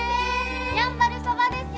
やんばるそばです！